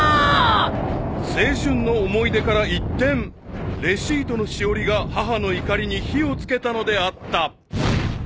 ［青春の思い出から一転レシートのしおりが母の怒りに火を付けたのであった］